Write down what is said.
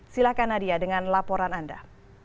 silahkan nadia dengan laporan anda